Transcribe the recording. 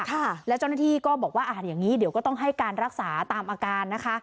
ค่ะแล้วเจ้าหน้าที่ก็บอกว่าอ่าอย่างนี้เดี๋ยวก็ต้องให้การรักษาตามอาการนะคะ